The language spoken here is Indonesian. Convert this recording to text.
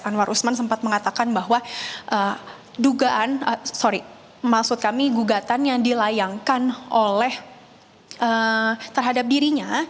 anwar usman sempat mengatakan bahwa dugaan sorry maksud kami gugatan yang dilayangkan oleh terhadap dirinya